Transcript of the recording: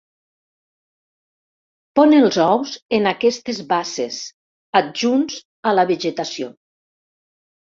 Pon els ous en aquestes basses, adjunts a la vegetació.